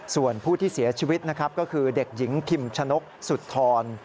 ส่วนผู้ที่เสียชีวิตนะครับก็คือเด็กหญิงคิมชะนกสุธร